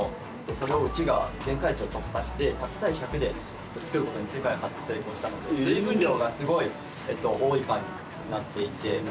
それをうちが限界値を突破して１００対１００で作ることに世界初成功したので水分量がすごい多いパンになっていてふわふわもちもち